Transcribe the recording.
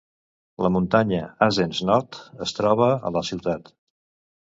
La muntanya Hazens Notch es troba a la ciutat.